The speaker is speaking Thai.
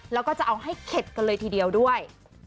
แล้วก็จะเอาให้เข็ดกันเลยทีเดียวด้วย